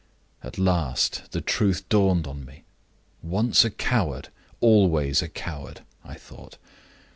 At last the truth dawned on me. 'Once a coward, always a coward,' I thought.